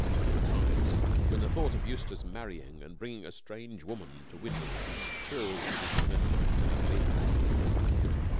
There were times when the thought of Eustace marrying and bringing a strange woman to Windles chilled Mrs. Hignett to her very marrow.